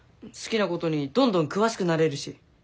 好きなことにどんどん詳しくなれるし。